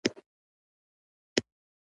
خوشاله به شي.